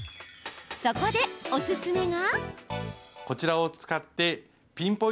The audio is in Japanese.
そこでおすすめが。